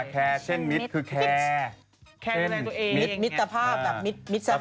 แคร์เช่นมิตรคือแคร์แคร์ที่มีเป็นตัวเองแคร์งานตัวเองมิตรสาธารณ์